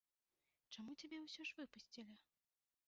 Чаму цябе ўсё ж выпусцілі?